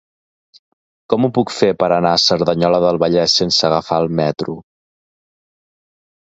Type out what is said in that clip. Com ho puc fer per anar a Cerdanyola del Vallès sense agafar el metro?